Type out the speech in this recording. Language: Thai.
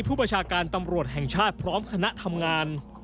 ประชาการตำรวจแห่งชาติพร้อมคณะทำงาน